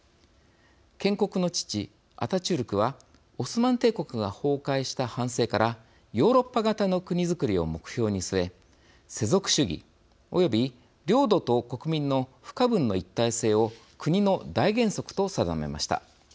建国の父、アタチュルクはオスマン帝国が崩壊した反省からヨーロッパ型の国づくりを目標に据え世俗主義、および領土と国民の不可分の一体性を国の大原則と定めました。